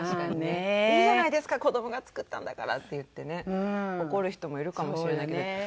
「いいじゃないですか子どもが作ったんだから」って言ってね怒る人もいるかもしれないけど。